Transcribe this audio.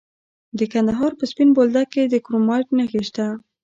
د کندهار په سپین بولدک کې د کرومایټ نښې شته.